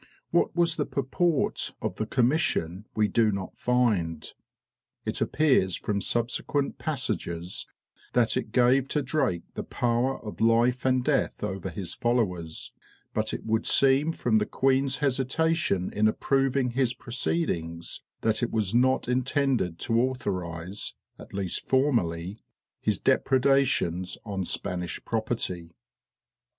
What was the purport of the commission we do not find; it appears from subsequent passages that it gave to Drake the power of life and death over his followers; but it would seem from the queen's hesitation in approving his proceedings, that it was not intended to authorize (at least formally) his depradations on Spanish property.